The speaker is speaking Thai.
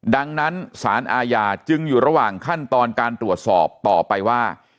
ดังนั้นสารอาญาจึงอยู่ระหว่างขั้นตอนการตรวจสอบต่อไปว่า